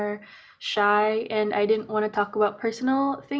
dan saya tidak ingin bicara tentang hal hal pribadi